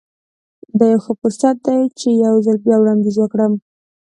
دا يو ښه فرصت دی چې يو ځل بيا وړانديز وکړم.